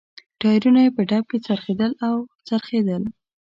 ټایرونه یې په ډب کې څرخېدل او څرخېدل.